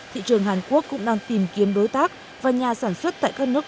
thị trường hàn quốc cũng đang tìm kiếm đối tác và nhà sản xuất tại các nước